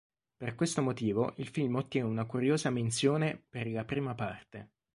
Per questo motivo il film ottiene una curiosa menzione "per la prima parte".